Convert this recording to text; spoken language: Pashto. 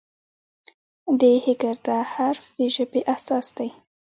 د "ه" حرف د ژبې اساس دی.